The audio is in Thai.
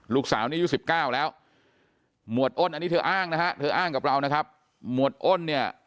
ลูกสาวนี้อายุ๑๙แล้วหมวดอ้นอันนี้เธออ้างนะฮะเธออ้างกับเรานะครับหมวดอ้นเนี่ย